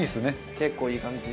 結構いい感じに。